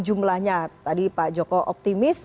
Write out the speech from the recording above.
jumlahnya tadi pak joko optimis